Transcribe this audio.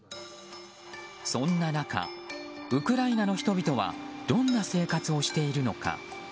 そんな中、ウクライナの人々はどんな生活をしているのか？